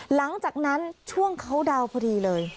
หลังจากนั้นช่วงเขาดาวน์พอดีเลย